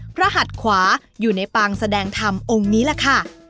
หัดขวาอยู่ในปางแสดงธรรมองค์นี้แหละค่ะ